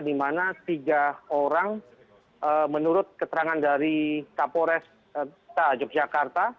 di mana tiga orang menurut keterangan dari kapolres yogyakarta